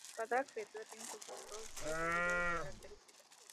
Cada criatura tiene sus propias habilidades y características.